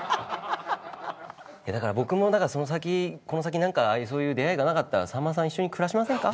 僕もだからこの先そういう出会いがなかったらさんまさん一緒に暮らしませんか？